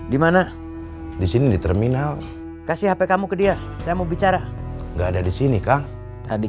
gimana disini di terminal kasih hp kamu ke dia saya mau bicara nggak ada di sini kang tadi